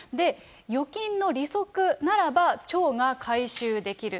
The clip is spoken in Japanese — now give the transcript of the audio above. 預金の利息ならば町が回収できる。